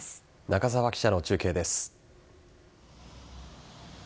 中澤記者の中継です。